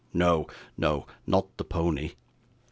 No, no, not the pony.